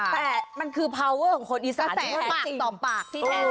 แต่มันคือพาวเวอร์ของคนอีสานปากต่อปากที่แท้